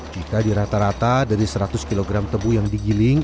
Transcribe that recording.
jika dirata rata dari seratus kg tebu yang digiling